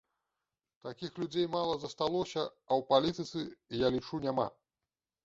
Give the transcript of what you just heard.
Такіх людзей мала засталося, а ў палітыцы, я лічу, няма.